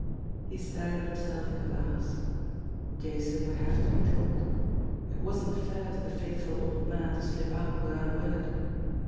He stared at himself in the glass. Jason would have to be told. It wasn't fair to the faithful old man to slip out without a word.